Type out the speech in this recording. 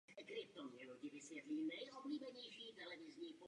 Ve svém programu se stavěla za obranu země.